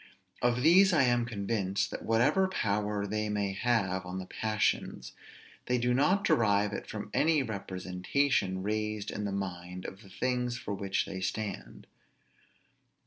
Of these I am convinced, that whatever power they may have on the passions, they do not derive it from any representation raised in the mind of the things for which they stand.